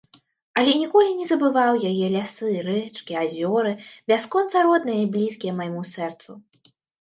Але ніколі не забываў яе лясы, рэчкі, азёры, бясконца родныя і блізкія майму сэрцу.